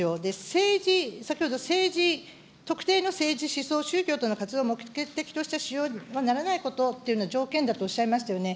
政治、先ほど政治、特定の政治、思想、宗教との活動を目的とした使用はならないことっていうのが条件だとおっしゃいましたよね。